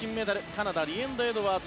カナダ、リエンド・エドワーズ